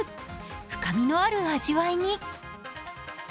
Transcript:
深みのある味わいに。